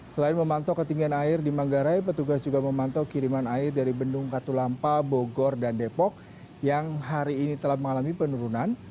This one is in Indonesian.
selain memantau ketinggian air di manggarai petugas juga memantau kiriman air dari bendung katulampa bogor dan depok yang hari ini telah mengalami penurunan